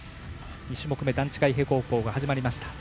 ２種目め、段違い平行棒が始まりました。